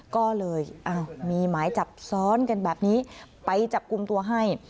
ก็เลยมีหมายจับซ้อนกันแบบนี้ไปจับกลุ่มตัวให้